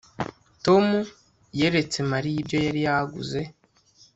Tom yeretse Mariya ibyo yari yaguze